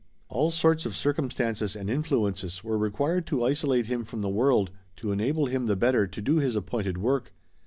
All sorts of circumstances and influences were required to isolate him from the world to enable him the better to do his appointed work.